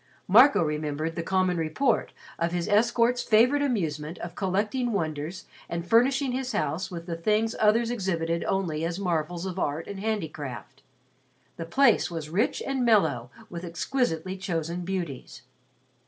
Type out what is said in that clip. Marco remembered the common report of his escort's favorite amusement of collecting wonders and furnishing his house with the things others exhibited only as marvels of art and handicraft. The place was rich and mellow with exquisitely chosen beauties.